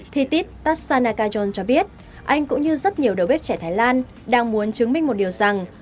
thí tiết tassana kajol cho biết anh cũng như rất nhiều đầu bếp trẻ thái lan đang muốn chứng minh một điều rằng